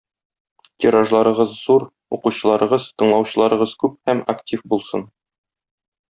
Тиражларыгыз зур, укучыларыгыз, тыңлаучыларыгыз күп һәм актив булсын.